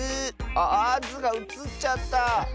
ああっ「ズ」がうつっちゃった。